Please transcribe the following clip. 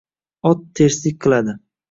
Ot terslik qiladi